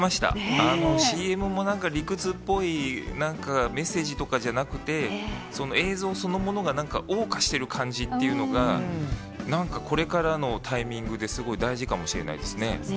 あのＣＭもなんか、理屈っぽい、なんかメッセージとかじゃなくて、映像そのものがなんかおう歌している感じっていうのが、なんかこれからのタイミングですごい大事かもしれないですね。